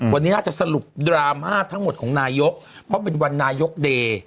วันนี้น่าจะสรุปดราม่าทั้งหมดของนายกเพราะเป็นวันนายกเดย์